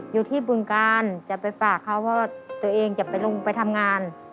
อยู่ที่บึงกานจะไปฝากเขาว่าตัวเองจะไปลงไปทำงาน